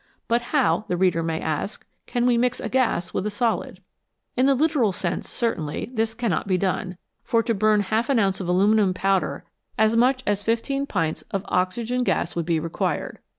But how, the reader may ask, can we mix a gas with a solid ? In the literal sense, certainly, this cannot be done, for to burn half an ounce of aluminium powder as much as fifteen pints of oxygen gas would be required.